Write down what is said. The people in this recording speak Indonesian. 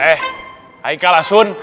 eh aika masun